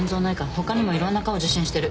他にもいろんな科を受診してる